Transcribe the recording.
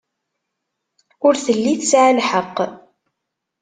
Ur telli tesɛa lḥeqq.